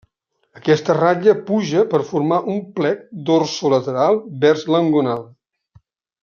Aquesta ratlla puja per formar un plec dorsolateral vers l'engonal.